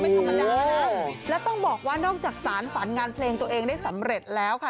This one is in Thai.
ธรรมดานะแล้วต้องบอกว่านอกจากสารฝันงานเพลงตัวเองได้สำเร็จแล้วค่ะ